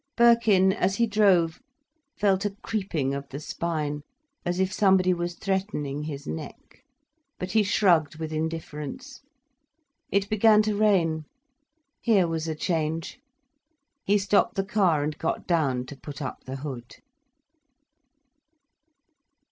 Birkin, as he drove, felt a creeping of the spine, as if somebody was threatening his neck. But he shrugged with indifference. It began to rain. Here was a change. He stopped the car and got down to put up the hood.